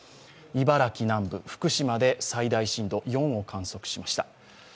茨城南部、福島で最大震度４を観測しました。